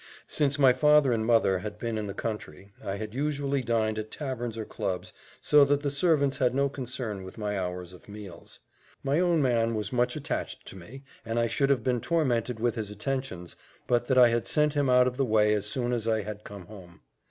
Since my father and mother had been in the country, I had usually dined at taverns or clubs, so that the servants had no concern with my hours of meals. My own man was much attached to me, and I should have been tormented with his attentions, but that I had sent him out of the way as soon as I had come home.